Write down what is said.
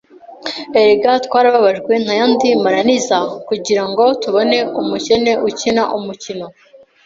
erega twarababajwe nta yandi mananiza kugirango tubone umukene ukina umukino